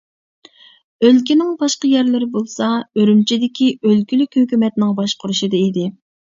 ئۆلكىنىڭ باشقا يەرلىرى بولسا ئۈرۈمچىدىكى ئۆلكىلىك ھۆكۈمەتنىڭ باشقۇرۇشىدا ئىدى.